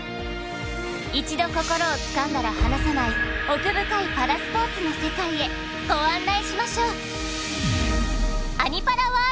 一度心をつかんだら離さない奥深いパラスポーツの世界へご案内しましょう。